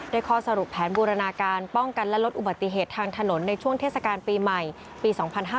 ข้อสรุปแผนบูรณาการป้องกันและลดอุบัติเหตุทางถนนในช่วงเทศกาลปีใหม่ปี๒๕๕๙